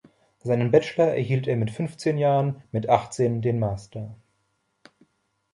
Seinen Bachelor erhielt er mit fünfzehn Jahren, mit achtzehn den Master.